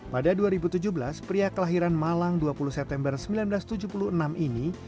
pada dua ribu tujuh belas pria kelahiran malang dua puluh september seribu sembilan ratus tujuh puluh enam ini